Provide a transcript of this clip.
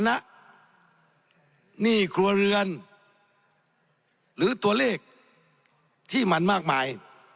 หนี้ครัวเรือนหรือตัวเลขที่มันมากมาย